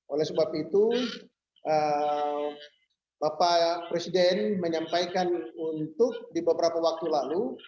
oleh sebab itu bapak presiden menyampaikan untuk di beberapa waktu lalu